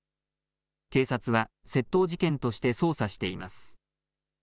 警察は窃盗事件として捜査しています。